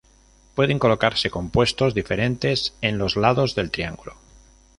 Pueden colocarse compuestos diferentes en los lados del triángulo.